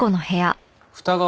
二川